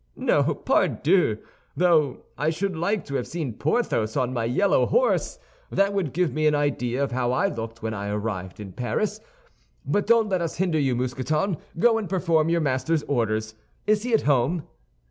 "No, pardieu; though I should like to have seen Porthos on my yellow horse. That would give me an idea of how I looked when I arrived in Paris. But don't let us hinder you, Mousqueton; go and perform your master's orders. Is he at home?"